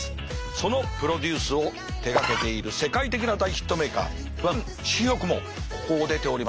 そのプロデュースを手がけている世界的な大ヒットメーカーバン・シヒョクもここを出ております。